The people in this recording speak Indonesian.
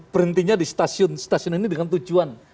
berhentinya di stasiun